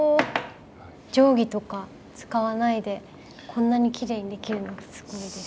定規とか使わないでこんなにきれいにできるのすごいです。